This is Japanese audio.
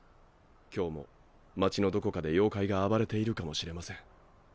今日も街のどこかで妖怪が暴れているかもしれません。